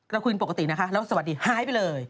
เราคุยปกตินะคะแล้วสวัสดีหายไปเลย